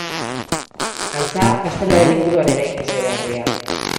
Antza, gazteluaren inguruan eraiki zen herria.